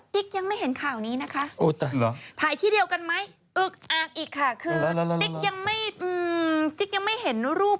ติ๊กยังไม่เห็นข่าวนี้นะคะถ่ายที่เดียวกันไหมอึ๊กอ้างอีกค่ะคือติ๊กยังไม่เห็นรูป